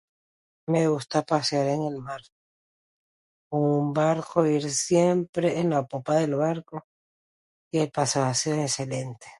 Me gusta pasear en el mar. Un barco, e ir siempre en la popa del barco. Y él pasa a ser excelente.